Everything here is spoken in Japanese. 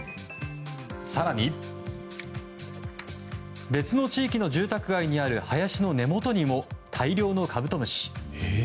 更に、別の地域の住宅街にある林の根元にも大量のカブトムシ。